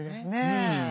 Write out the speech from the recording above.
うん。